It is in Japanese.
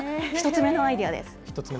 １つ目のアイデア？